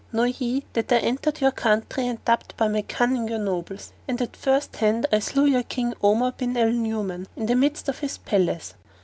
Know ye that I entered your country and duped by my cunning your nobles and at first hand I slew your King Omar bin al Nu'uman in the midst of his palace.